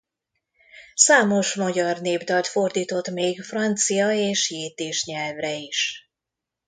Számos magyar népdalt fordított még francia és jiddis nyelvre is.